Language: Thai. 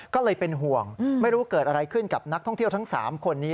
ก็เลยเป็นห่วงไม่รู้เกิดอะไรขึ้นกับนักท่องเที่ยวทั้ง๓คนนี้